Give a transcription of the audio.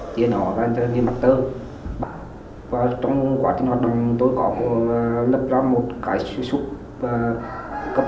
ở trên hóa ra trên mạch tờ và trong quá trình hoạt động tôi có một lập ra một cái sử dụng và cập